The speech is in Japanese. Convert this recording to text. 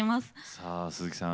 さあ鈴木さん